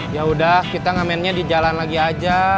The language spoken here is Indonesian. yaudah kita ngamennya di jalan lagi aja